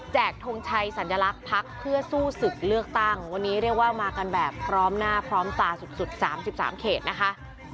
ทงชัยสัญลักษณ์พักเพื่อสู้ศึกเลือกตั้งวันนี้เรียกว่ามากันแบบพร้อมหน้าพร้อมตาสุด๓๓เขตนะคะ